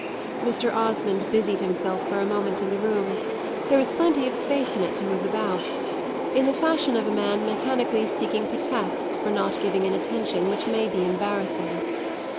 Mr. Osmond busied himself for a moment in the room there was plenty of space in it to move about in the fashion of a man mechanically seeking pretexts for not giving an attention which may be embarrassing.